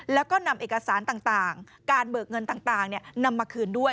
แล้วก็นำเอกสารต่างการเบิกเงินต่างนำมาคืนด้วย